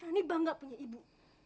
rani bangga punya ibu